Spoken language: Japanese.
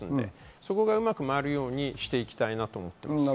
そこが回るようにしていきたいなと思います。